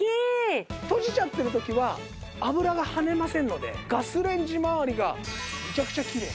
閉じちゃってる時は油がはねませんのでガスレンジ周りがめちゃくちゃきれい。